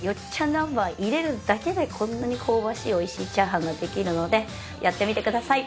なんばん入れるだけでこんなに香ばしい美味しい炒飯ができるのでやってみてください。